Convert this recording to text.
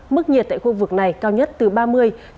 mức nhiệt tại khu vực này cao nhất từ ba mươi ba mươi ba độ c